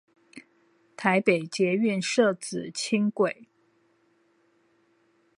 台北捷運社子輕軌